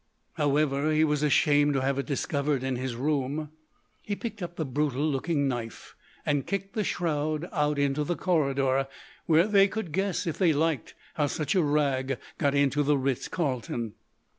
However, he was ashamed to have it discovered in his room. He picked up the brutal looking knife and kicked the shroud out into the corridor, where they could guess if they liked how such a rag got into the Ritz Carlton.